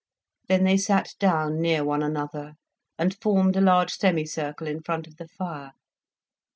Then they sat down near one another, and formed a large semicircle in front of the fire.